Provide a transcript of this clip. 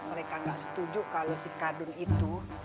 mereka gak setuju kalau si cardun itu